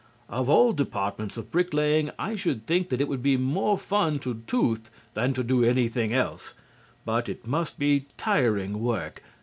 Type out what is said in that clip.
Of all departments of bricklaying I should think that it would be more fun to tooth than to do anything else. But it must be tiring work.